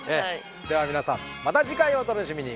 では皆さんまた次回をお楽しみに。